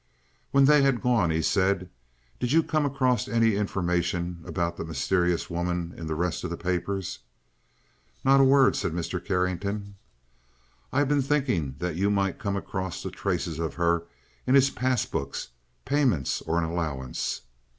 When they had gone he said: "Did you come across any information about that mysterious woman in the rest of the papers?" "Not a word," said Mr. Carrington. "I've been thinking that you might come across traces of her in his pass books payments or an allowance."